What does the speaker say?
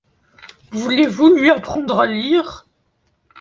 Voulez-vous lui apprendre à lire ?